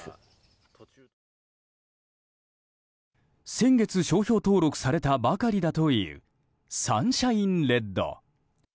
先月商標登録されたばかりだというサンシャインレッド。